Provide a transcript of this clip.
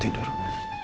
ya udah bagus